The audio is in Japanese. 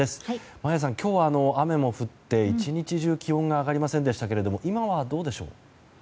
眞家さん、今日は雨も降って１日中、気温が上がりませんでしたけれども今はどうでしょう。